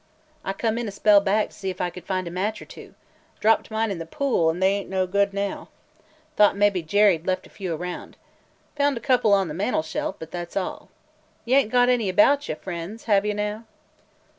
"I come in a spell back to see if I could find a match or two. Dropped mine in the pool an' they ain't no good now. Thought mebbe Jerry 'd left a few around. Found a couple on the mantel shelf, but that 's all. You ain't got any about you, friends, have you, now?"